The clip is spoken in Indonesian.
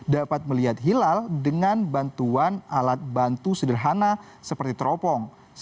dapat melihat hilal dengan bantuan alat bantu sederhana seperti teropong